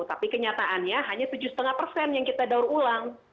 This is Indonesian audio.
tapi kenyataannya hanya tujuh lima persen yang kita daur ulang